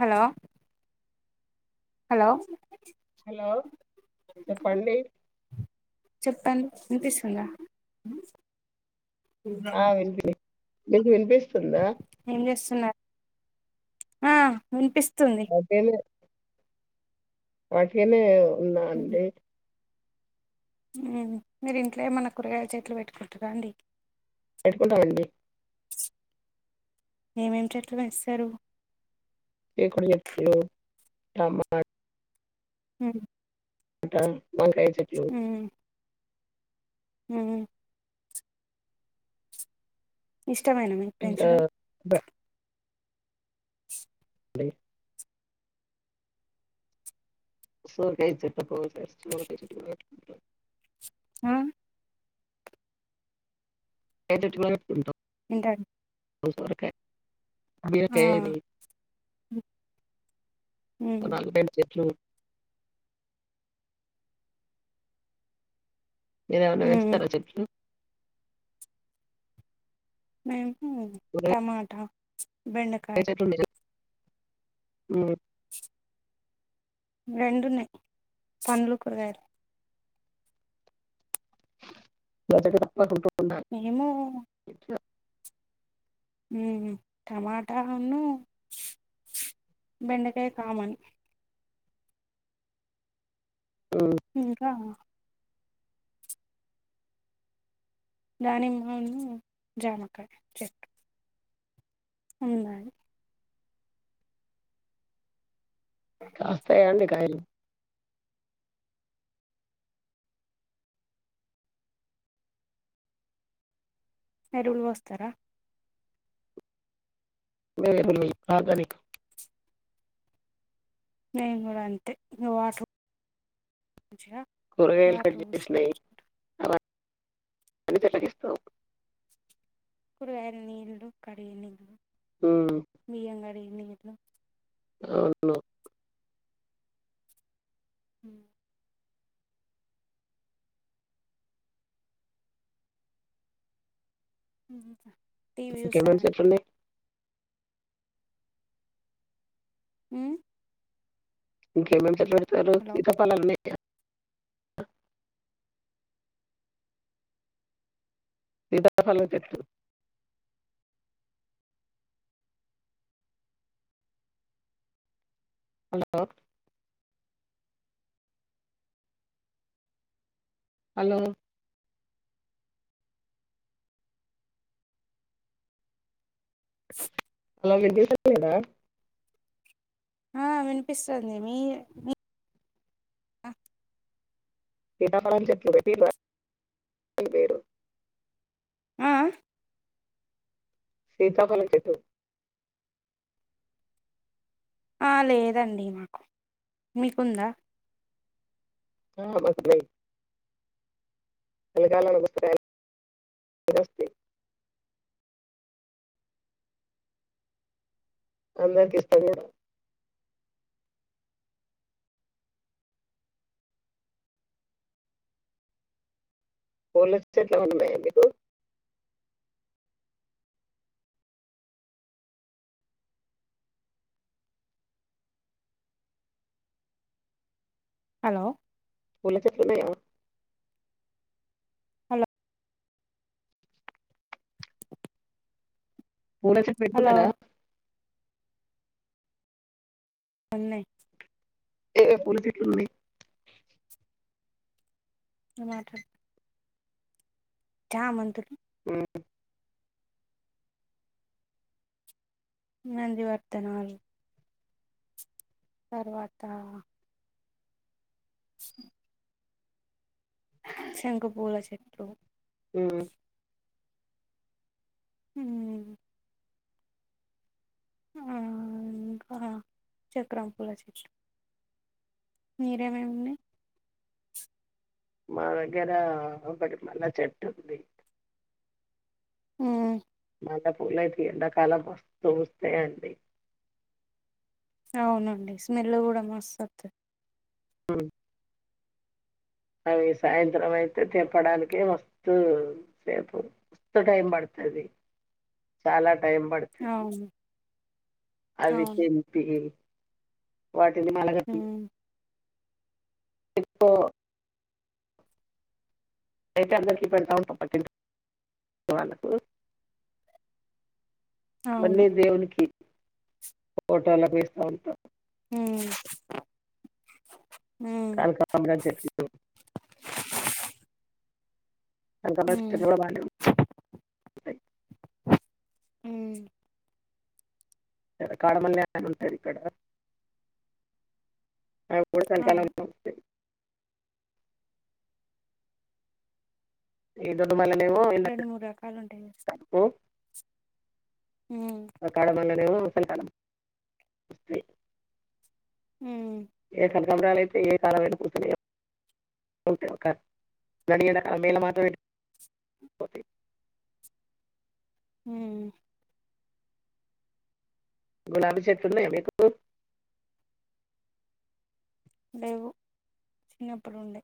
Hello hello hello చెప్పండి తన్ వినిపిస్తుంద ఆ వినిపిని నీకు వినిపిస్ ఏం చేస్తున్నారు. ఆ వినిపిస్త ఒకేలే వాటికనే ఉన్నా అండి మీరు ఇంట్లో ఏమన్నా కూరగాయ చెట్లు పెట్టుకుంటార అండి పెట్కుంటామండి ఏమేమి చెట్లు పెంచుతారు. ఎకుడు చెట్లు టమా ఉమ్ టమాటా వంకాయ చె ఉమ్ ఉమ్ ఇస్ ఇష్టమేన మీకు ఇంకా పెంచడం. బ- [inaudible] ప్లే సొరకాయ చెట్లు కో [inaudible] ఆ ఫైవథర్టీ వరకు ఉంటా ఇంటాడు సొరకాయ బీరకాయ మ్మ్ నాలుగు ఐదు చెట్లు ఉన్నాయి మీర ఏవన్నా మ్మ్ పెంచుతారా చెట్లు మేం హమ్మ్ కూరగాయ టమాటా బెండకాయ్ ఉమ్ రెండున్నాయి. పండ్లు, కూరగాయలు [unintelligible] మేము ఉమ్ టమాటాను, బెండకాయ కామన్. ఉమ్, ఇంకా దానిమ్మవును జామకాయ చెట్టు ఉన్నాది కాస్తయా అండి కాయలు ఎరువులు పోస్తరా మేమ్ ఎరువులు వొయం ఆర్గానిక్ నేను కూడా అంతే ఇంగ వాటరు కూరగాయలు కట్ చేసినయి అల అన్ని చెట్లకిస్తాం కురుగాయల నీల్లు కడిగిన నీల్లు ఉమ్, బియ్యం గడిగి ఇగెట్ల అవును ఉ ఉహు ఇంకేమన్న చెట్లునయ్ ఉ ఇంకేమన్నా చెప్పరు సరు హలో సీత పలాలు వున్నయ బా [unintelligible] సిధ ఫలాల చెట్టు హలో హలో [inaudible] హలో [unintelligible] ఆ వినిపిస్తంది మీర్ మీ సీతఫలం చెట్లు వెట్టిలా ఇదేరో అ ఆ సీత ఫలం చెట్టు ఆ లేదండి మాకు మీకుందా ఆ బకటి అలకాల పుస్తక [unintelligible] అందరికిస్తం గూడ పూలస్ చెట్లమైనా ఉన్నాయ మీకు హలో పూల చెట్లన్నయా హలో పూలచెట్ హలో వెడుతున్నడ ఉన్నయ్ ఏ పూల చెట్లున్నయ్ అ మాటడు చ మంతులు ఊ నంది వర్తనాలు తర్వాత స శంఖపూల చెట్టు హమ్ హమ్ ఆ ఇంకా చక్రం పూల చెట్టు మీరేమీ ఉన్నాయి మా దగ్గర ఒకటి మల్లె చెట్టు ఉంది ఆమ్ మల్లె పూల అయితే ఈ ఎండ కాలం మస్త్ పూస్తాయండి అవునండి స్మెల్ కూడా మస్త్ ఉంటాది హమ్ అవి సాయంత్రం అయితే తెంపడానికి మస్తు సేపు మస్తు టైం పడతాది చాలా టై పడుతుంది అవును అవి అవును తెంపి వాటినీ మాల కట్టి ఉమ్ ఇప్ప [unintelligible] అయితే అందరికి పెడతావ పక్క ఇంటి వాళ్ళకు అవును మళ్ళీ దేవునికి ఫోటో లకు వేస్తా ఉంటాం హ్మ్ కనకాంబరాలు చెట్లు కనకాంబరాలు ఉమ్ చెట్లు కూడా బాగుంటాయి హ్మ్ కాడ మల్లి ఉంటాది ఇక్కడ అవును [unintelligible] తీగలు మల్లె లేవో రెండు [unintelligible] మూడు రకాలు ఉంటాయి కదా కట్టు ఉమ్ ఆ కాడమల్లెలేమో [unintelligible] ఉమ్ ఈకలు కనకాంబరాలు అయితే ఏ కాలమైనా పూత్తానయి మల్లెలు ఎండాకాలం మాత్రమే పూత్తాయి హ్మ్ గులాబీ చెట్లు ఉన్నాయా మీకు లేేవు చిన్నప్పుడు ఉండే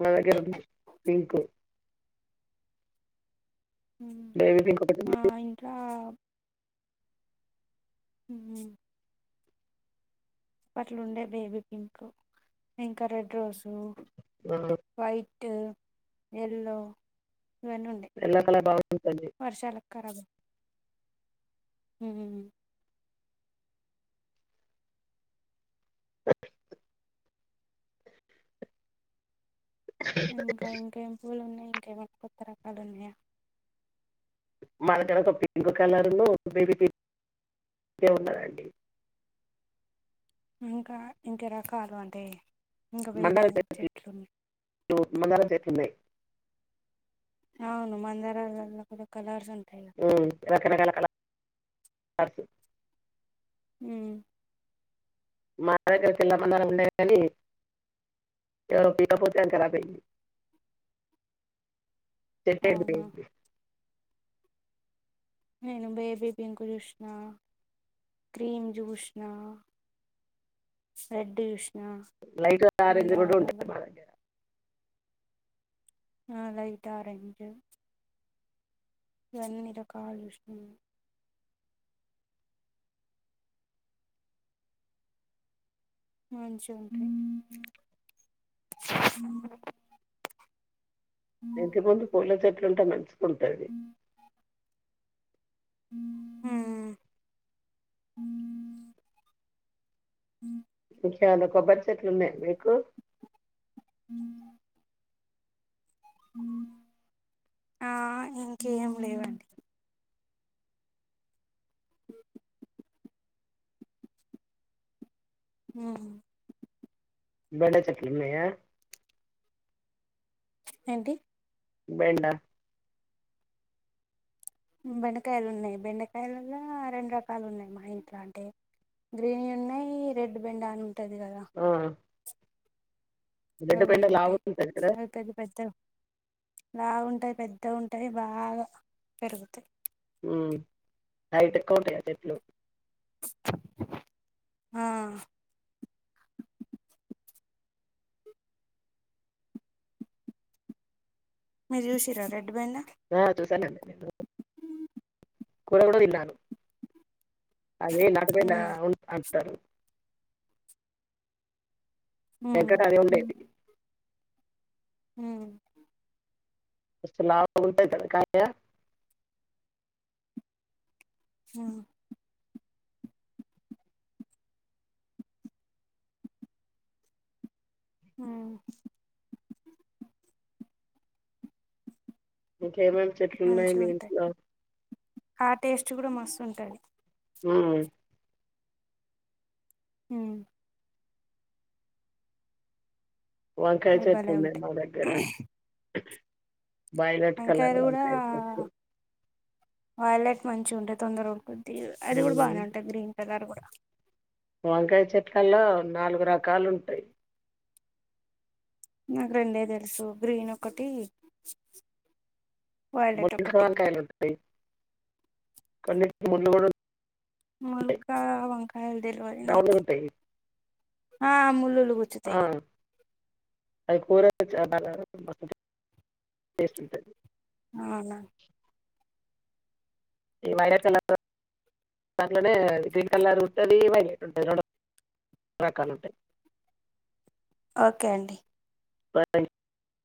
మా దగ్గర ఉంది పింకు బేబీ పింక్ ఒకటి మా ఉంది ఇంకా హమ్ అట్లు ఉండే బేబీ పింక్ ఇంకా రెడ్ రోజు హా ఎల్లో ఇవన్నీ ఎల్లో కలర్ బాగుంటాది కరాబ్ ఉహు [inaudible] ఇంకా ఇంకేం పూలు ఉన్నాయి ఇంకేమన్నా కొత్త రకాలు ఉన్నాయా మనగడ ఒక పింక్ కలర్ ను బేబ ఉన్నదండి ఇంకా ఇంక రకాలు అంటే ఇంకా వేరే చెట్లున్నా మందారం చెట్లు ఉన్నాయి అవును మందారాలలో కలర్స్ ఉంటు రకరకాల కలర్స్ హు మా దగ్గర పిల్ల మందారం ఉండేది కాని ఎవరు పీక్కుపోతే అది కరాబ్ అయింది చెప్పేది అవునా నేను బేబీ పింక్ చూసిన క్రీమ్ చూసిన రెడ్ చూసిన లైట్ ఆరెంజ్ కూడా మందారాలలో ఉంటాంది మా ఆ లైట్ ఆరెంజ్ ఇవన్నీ రకాలు చూసిన [inaudible] ఎంత మంది పొర్లు దండ తుంట మంచి ఉంటది హ చాలా కొబ్బరి చెట్లు ఉన్నాయి మీకు హ ఆ ఇంకేం లేవండి [inaudible] హు బెండ చెట్లు ఉన్నాయా ఏంటి బెండ బెండకాయలు ఉన్నాయి బెండకాయలలో రెండు రకాలు ఉన్నాయి మా ఇంట్లో అంటే గ్రీన్ ఉన్నాయి రెడ్ బెండ ఉంటది కదా ఆ, రెడ్ బెండ అవునంటయి లావు ఉంటుంది కదా అ పెద్ద పెద్దవి లావు ఉంటాయి పెద్దగా ఉంటాయి బాగా పెరుగుతాయి హైట్ ఎక్కువ ఉంటాయా చెట్లు ఆ మీరు చూసిర్రా రెడ్ బెండ ఆ చూసానండి కూర కూడా తిన్నాను అదే నాక మీద ఉమ్ ఉన్ అన్ తరు హు వెనకట అదే ఉండేది హు మస్త్ లావుంటది [inaudible] హు ఉ ంట్ పేమెంట్ చెట్లున్నయి మంచిగా మీ ఉంటాయి ఇంట్లో ఉంటాది. హు హు వంకాయ అవి చెట్టు భలే ఉన్నయి ఉంటాయి మా దగ్గర వైలట్ కలర్ వంకాయలు కూడా వంకాయ చెట్టు వైలెట్ మంచిగవుంటాయ్ తొందరగా ఉకుద్ తీర్ అది కూడా ఉమ్ బానే ఉంటద్ గ్రీన్ కలర్ కూడా వంకాయ చెట్లల్లో నాలుగు రకాలు ఉంటయ్. నాకు రెండే తెలుసు గ్రీన్ ఒకటి, వైలెట్ [inaudible] ఒకటి వంకాయలు ఉంటది. కొన్నిటికి ముల్లు కూడున్ ముల్లక్కయా వంకాయద్దెల్వది రౌండ్ నాకు ఉంటాయి ఆ ముల్ ముల్లులుగుచ్చుతయ్. అది కూరా [unintelligible] అవునా ఈ వైలెట్ కలర్ రో, దాంట్లోనే గ్రీన్ కలర్ ఉంటది, వైలెట్ ఉంటది రెండు రకాలు ఉంటయ్. ఓకే అండి [inaudible]